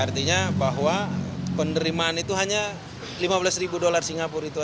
artinya bahwa penerimaan itu hanya lima belas ribu dolar singapura itu